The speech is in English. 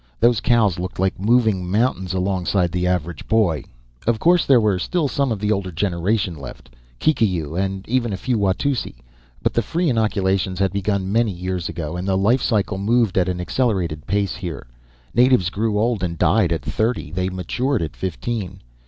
Those cows looked like moving mountains alongside the average boy. Of course there were still some of the older generation left; Kikiyu and even a few Watusi. But the free inoculations had begun many years ago, and the life cycle moved at an accelerated pace here. Natives grew old and died at thirty; they matured at fifteen.